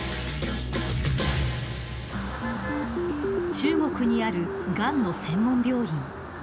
中国にあるがんの専門病院。